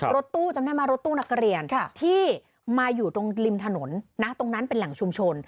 รถตู้จำได้ไหมรถตู้นักเรียนที่มาอยู่ตรงริมถนนนะตรงนั้นเป็นแหล่งชุมชน